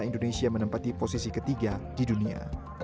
indonesia menempati posisi ketiga di dunia